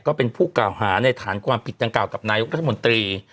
ก็เป็นผู้กล่าวหาในฐานความผิดดังกล่ากับนายกรัฐมนตรี